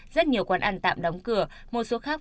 rất nhiều quán ăn tạm đóng cửa một số khác